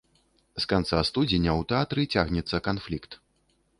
З канца студзеня ў тэатры цягнецца канфлікт.